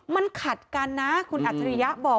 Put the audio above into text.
มันขัดกันนะคุณอัจฉริยะบอก